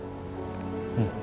うん。